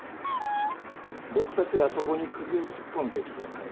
僕たちがそこに首を突っ込むべきじゃないね。